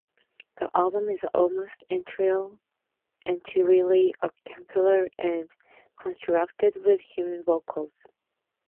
The album is almost entirely a cappella and constructed with human vocals.